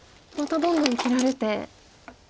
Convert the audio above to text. またどんどん切られて。